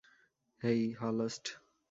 হেই, হলস্ট।